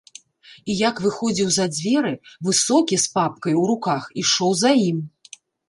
І як выходзіў за дзверы, высокі з папкаю ў руках ішоў за ім.